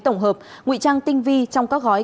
tổng hợp ngụy trang tinh vi trong các gói